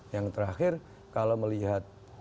yang terakhir kalau melihat